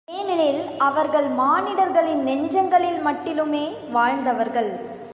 ஏனெனில், அவர்கள் மானிடர்களின் நெஞ்சங்களில் மட்டிலுமே வாழ்ந்தவர்கள்.